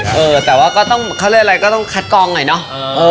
เออแต่ว่าก็ต้องเขาเรียกอะไรก็ต้องคัดกองหน่อยเนอะ